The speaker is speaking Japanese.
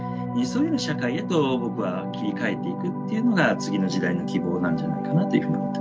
そういうような社会へと僕は切り替えていくっていうのが次の時代の希望なんじゃないかなというふうに思っています。